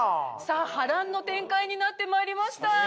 さあ波乱の展開になってまいりました。